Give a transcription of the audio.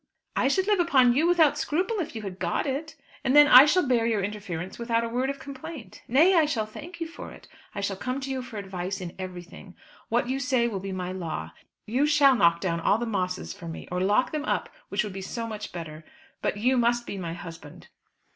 "I should live upon you without scruple if you had got it. And then I shall bear your interference without a word of complaint. Nay, I shall thank you for it. I shall come to you for advice in everything. What you say will be my law. You shall knock down all the Mosses for me; or lock them up, which would be so much better. But you must be my husband."